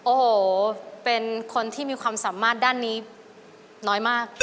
โอ้โหเป็นคนที่มีความสามารถด้านนี้น้อยมาก